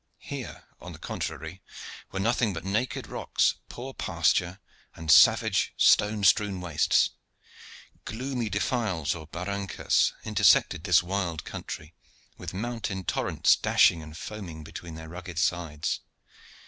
Here, on the contrary, were nothing but naked rocks, poor pasture, and savage, stone strewn wastes. Gloomy defiles or barrancas intersected this wild country with mountain torrents dashing and foaming between their rugged sides.